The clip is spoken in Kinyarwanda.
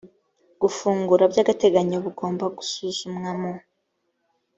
gufungura by agateganyo bugomba gusuzumwa mu